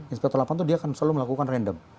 inspektor lapangan itu dia akan selalu melakukan random